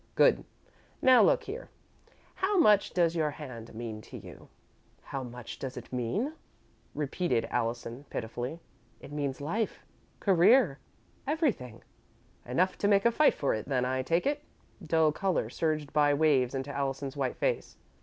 "Good. Now, look here. How much does your hand mean to you?" "How much does it mean?" repeated Allison, pitifully. "It means life, career everything." "Enough to make a fight for it then, I take it." Dull colour surged by waves into Allison's white face.